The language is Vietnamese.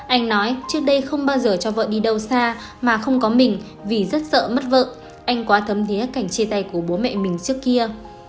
anh nói trước đây không bao giờ cho vợ đi đâu xa mà không có mình vì rất sợ mất vợ anh quá thấm thiế cảnh chia tay của bố mẹ mình trước kia